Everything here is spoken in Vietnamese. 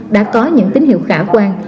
đã có những tín hiệu khả quan